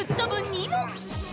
ニノ